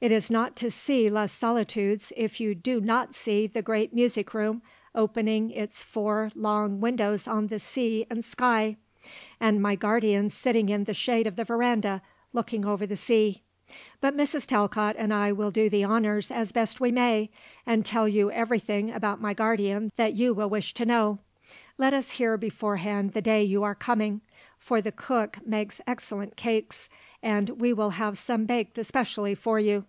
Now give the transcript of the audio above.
It is not to see Les Solitudes if you do not see the great music room opening its four long windows on the sea and sky; and my guardian sitting in the shade of the verandah looking over the sea. But Mrs. Talcott and I will do the honours as best we may and tell you everything about my guardian that you will wish to know. Let us hear beforehand the day you are coming; for the cook makes excellent cakes, and we will have some baked specially for you.